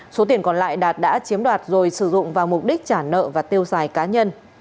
số tiền còn lại đạt đã chiếm đoạt rồi sử dụng vào mục đích trả nợ và tiêu xài cá nhân